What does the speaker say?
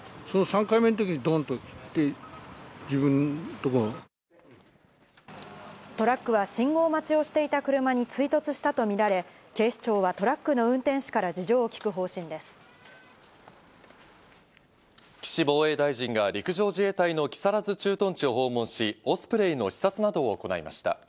その３回目のときに、どんって、トラックは信号待ちをしていた車に追突したと見られ、警視庁はトラックの運転手から事情を聴岸防衛大臣が、陸上自衛隊の木更津駐屯地を訪問し、オスプレイの視察などを行いました。